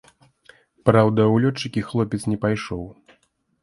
Праўда, у лётчыкі хлопец не пайшоў.